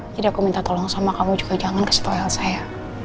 jadi aku minta tolong sama kamu juga jangan kasih tau elsa ya